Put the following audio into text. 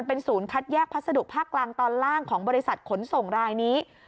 ภาษาดุภาคกลางตอนล่างของบริษัทขนส่งลายนี้